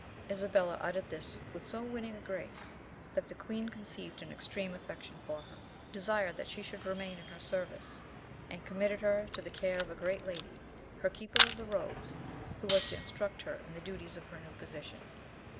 Isabella uttered this with so winning a grace, that the queen conceived an extreme affection for her, desired that she should remain in her service, and committed her to the care of a great lady, her keeper of the robes, who was to instruct her in the duties of her new position.